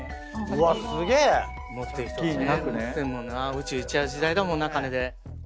宇宙行っちゃう時代だもんな金で。